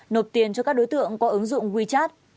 nộp tiền cho các đối tượng qua ứng dụng wechat